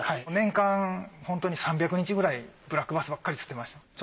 年間ホントに３００日くらいブラックバスばっかり釣ってました。